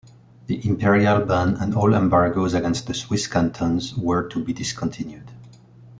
The imperial ban and all embargoes against the Swiss cantons were to be discontinued.